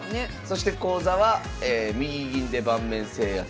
そして講座は「右銀で盤面制圧」。